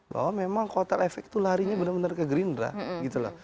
bahwa memang kotel efek itu larinya benar benar ke gerindra gitu loh